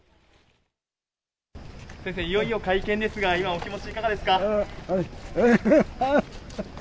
先生、いよいよ会見ですが、今、お気持ちいかがですか？